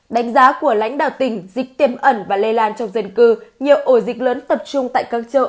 đánh giá của lãnh đạo tỉnh dịch tiềm ẩn và lây lan trong dân cư nhiều ổ dịch lớn tập trung tại các chợ